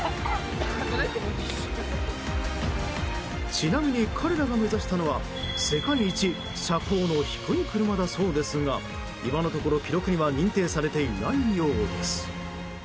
ちなみに彼らが目指したのは世界一車高の低い車だそうですが今のところ記録には認定されていないようです。